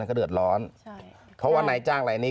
ก็เดือดร้อนเพราะว่าในจ้างไหล่นี้